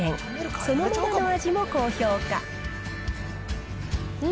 そのままの味も高評価。